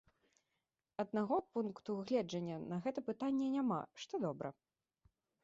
Аднаго пункту гледжання на гэта пытанне няма, што добра.